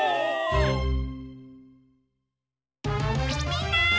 みんな！